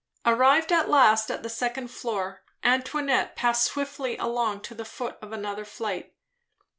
Arrived at last at the second floor, Antoinette passed swiftly along to the foot of another flight.